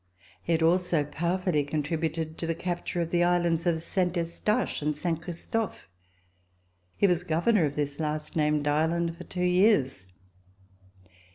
He had also powerfully contributed to the capture of the islands of Saint Eustache and Saint Christophe. He was Governor of this last named island for two years.